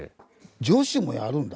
女子もやるんだ。